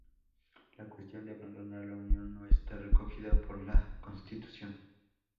La cuestión de abandonar la Unión no está recogida por la Constitución.